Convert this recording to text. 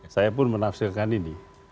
saya pun menafsirkan ini